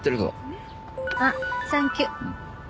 あっサンキュー。